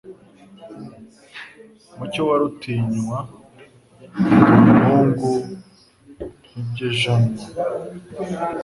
Mucyo wa Rutinywa ndi umuhungu ntibyijanwa